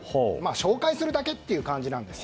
紹介するだけという感じなんです。